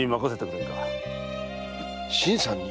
新さんに？